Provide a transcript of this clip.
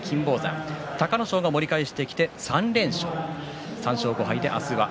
隆の勝が盛り返してきて３連勝。